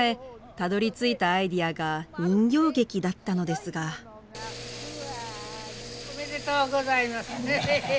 たどりついたアイデアが人形劇だったのですが「うわおめでとうございます」。